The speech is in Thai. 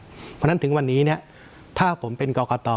เพราะฉะนั้นถึงวันนี้ถ้าผมเป็นกรกต